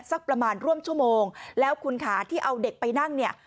สักประมาณร่วมชั่วโมงแล้วคุณค่ะที่เอาเด็กไปนั่งเนี่ย